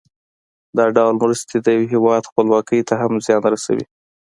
دا ډول مرستې د یو هېواد خپلواکۍ ته هم زیان رسوي.